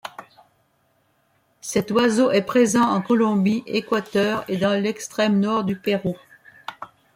Cet oiseau est présent en Colombie, Équateur et dans l'extrême nord du Pérou.